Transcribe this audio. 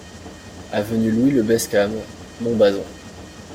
Avenue Louis le Bescam, Montbazon